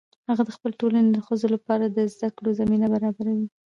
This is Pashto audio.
هغه د خپلې ټولنې د ښځو لپاره د زده کړو زمینه برابروي